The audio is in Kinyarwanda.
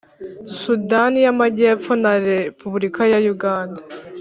Sudani y Amajyepfo na Repubulika ya Uganda